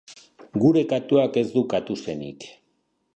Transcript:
Gure katuak ez du katu-senik.